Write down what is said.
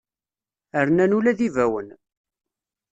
Rnan ula d ibawen.